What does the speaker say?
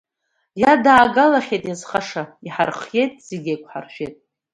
Иадаагалахьеит иазхаша, иҳархиеит, зегь еиқәҳаршәеит.